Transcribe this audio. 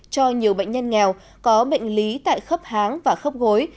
cho nhiều bệnh nhân nghèo có bệnh lý tại khắp háng và khắp gối